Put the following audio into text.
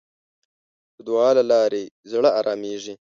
د دعا له لارې زړه آرامېږي.